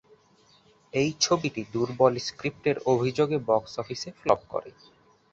এই ছবিটি দুর্বল স্ক্রিপ্টের অভিযোগে বক্স অফিসে ফ্লপ করে।